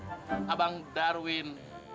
hidup abang darwin